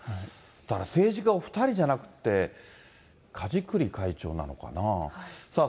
だから政治家お２人じゃなくて、梶栗会長なのかな。